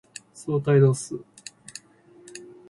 相対度数